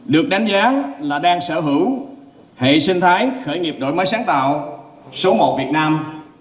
được đánh giá là đang sở hữu hệ sinh thái khởi nghiệp đổi mới sáng tạo số một việt nam